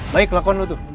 baik kelakuan lo tuh